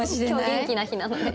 今日元気な日なので。